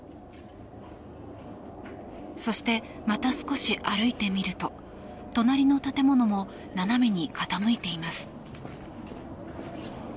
そして、また少し歩いてみると隣の建物も斜めに傾いています。